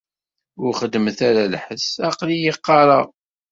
Ur xeddmet ara lḥess. Aql-i qerraɣ.